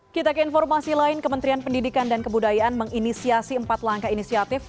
kita ke informasi lain kementerian pendidikan dan kebudayaan menginisiasi empat langkah inisiatif